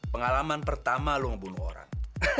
pengalaman pertama lo ngebunuh orang